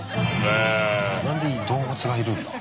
なんで動物がいるんだ？